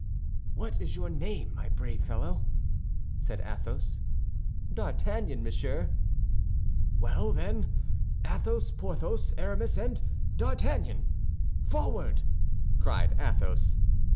"What is your name, my brave fellow?" said Athos. "D'Artagnan, monsieur." "Well, then, Athos, Porthos, Aramis, and D'Artagnan, forward!" cried Athos.